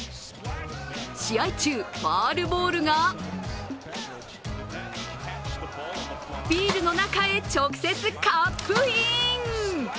試合中、ファウルボールがビールの中へ、直接カップイーン！